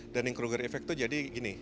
dunning kruger effect itu jadi gini